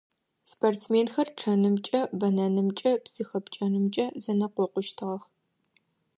Спортсменхэр чъэнымкӀэ, бэнэнымкӀэ, псы хэпкӀэнымкӀэ зэнэкъокъущтыгъэх.